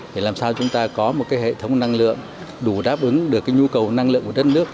để làm sao chúng ta có một hệ thống năng lượng đủ đáp ứng được cái nhu cầu năng lượng của đất nước